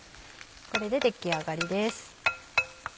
これで出来上がりです。